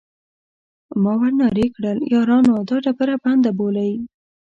ما ور نارې کړل: یارانو دا ډبره بنده بولئ.